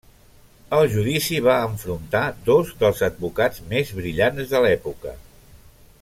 El judici va enfrontar dos dels advocats més brillants de l'època.